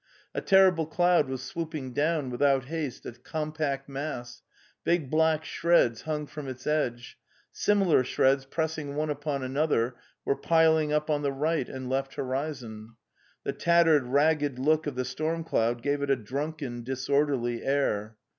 A terrible cloud was swoop ing down, without haste, a compact mass; big black shreds hung from its edge; similar shreds pressing one upon another were piling up on the right and left horizon. The tattered, ragged look of the storm cloud gave it a drunken disorderly air.